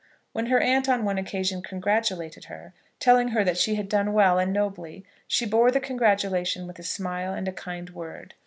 When her aunt on one occasion congratulated her, telling her that she had done well and nobly, she bore the congratulation with a smile and a kind word.